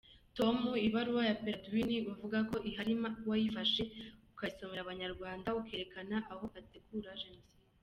Tom ibaruwa ya Perraudin uvuga ko ihari wayifashe ukayisomera Abanyarwanda ukerekana aho ategura jenoside.